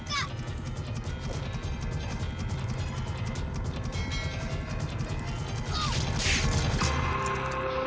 pengori gue azir deputy gushubu bawa